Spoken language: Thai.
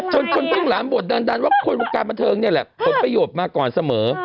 จนคนติ้งหลามบวชดันดันว่าคนการบันเทิงเนี่ยแหละเผื่อประโยชน์มากกว่าเสมอ